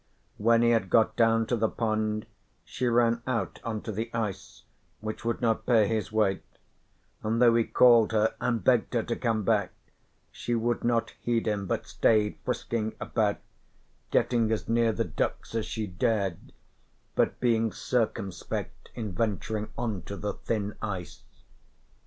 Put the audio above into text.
When he had got down to the pond, she ran out on to the ice, which would not bear his weight, and though he called her and begged her to come back she would not heed him but stayed frisking about, getting as near the ducks as she dared, but being circumspect in venturing on to the thin ice.